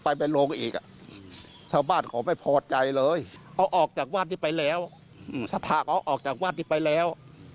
ไปไปโรงอีกอ่ะชาวบ้านเขาไม่พอใจเลยเอาออกจากวัดนี้ไปแล้วสถาเขาออกจากวัดนี้ไปแล้ว